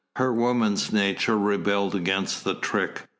Her woman's nature rebelled against the trick.